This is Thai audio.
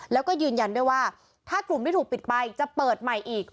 แล้วก็ยืนยันด้วยว่าถ้ากลุ่มที่ถูกปิดไปจะเปิดใหม่อีก